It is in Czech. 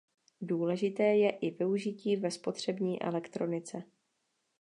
Důležité je i využití ve spotřební elektronice.